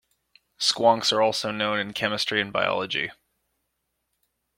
Squonks are also known in chemistry and biology.